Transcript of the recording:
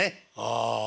ああ。